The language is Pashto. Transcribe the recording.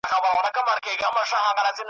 ما جنګونه ټول ګټلي